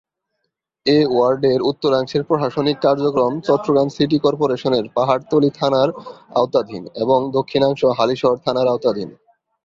এ ওয়ার্ডের উত্তরাংশের প্রশাসনিক কার্যক্রম চট্টগ্রাম সিটি কর্পোরেশনের পাহাড়তলী থানার আওতাধীন এবং দক্ষিণাংশ হালিশহর থানার আওতাধীন।